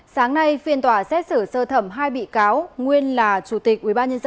sáng nay phiên tòa xét xử sơ thẩm hai bị cáo nguyên là chủ tịch ubnd tp đà nẵng và đồng phạm